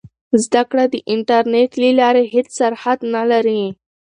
زده کړه د انټرنیټ له لارې هېڅ سرحد نه لري.